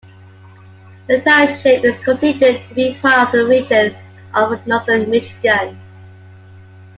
The township is considered to be part of the region of Northern Michigan.